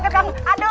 aduh sangket kamu